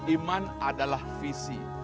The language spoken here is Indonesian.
iman adalah visi